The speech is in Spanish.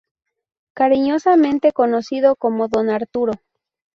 Cariñosamente conocido como Don Arturo.